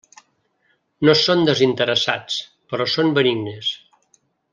No són desinteressats, però són benignes.